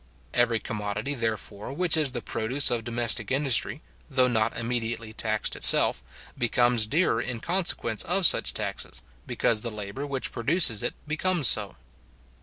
Every commodity, therefore, which is the produce of domestic industry, though not immediately taxed itself, becomes dearer in consequence of such taxes, because the labour which produces it becomes so.